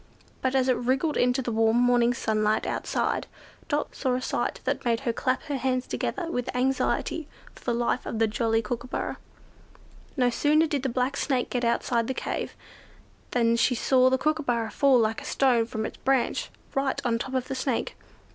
But as it wriggled into the warm morning sunlight outside, Dot saw a sight that made her clap her hands together with anxiety for the life of the jolly Kookooburra. No sooner did the black Snake get outside the cave, than she saw the Kookooburra fall like a stone from its branch, right on top of the Snake.